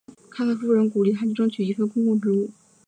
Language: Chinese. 他的夫人鼓励他去争取一份公共职务。